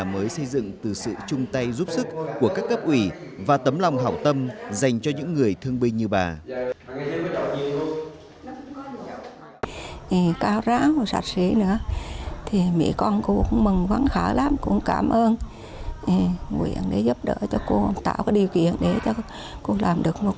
nhà mới xây dựng từ sự chung tay giúp sức của các cấp ủy và tấm lòng hảo tâm dành cho những người thương binh như bà